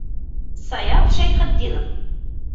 Саяф Шәйхетдинов.